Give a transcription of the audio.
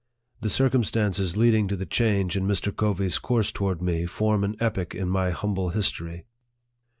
The circumstances leading to the change in Mr. Covey's course toward me form an epoch in my humble history.